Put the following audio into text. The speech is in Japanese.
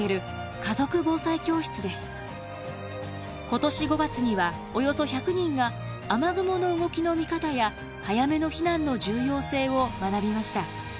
今年５月にはおよそ１００人が雨雲の動きの見方や早めの避難の重要性を学びました。